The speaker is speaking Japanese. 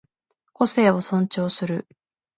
個性を尊重する